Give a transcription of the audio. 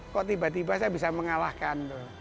kok tiba tiba saya bisa mengalahkan